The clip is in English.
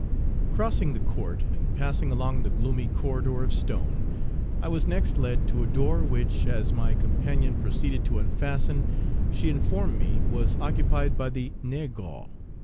Crossing the court, and passing along the gloomy corridor of stone, I was next led to a door which, as my companion proceeded to unfasten, she informed me was occupied by the "naygre."